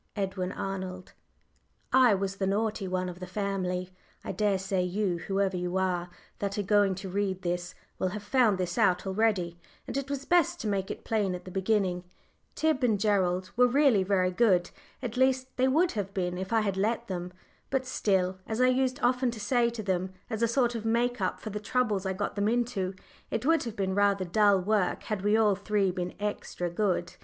EDWIN ARNOLD. I was the naughty one of the family. I dare say you whoever you are that are going to read this will have found this out already, and it was best to make it plain at the beginning. Tib and Gerald were really very good at least, they would have been if I had let them. But still, as I used often to say to them as a sort of a make up for the troubles I got them into, it would have been rather dull work had we all three been extra good.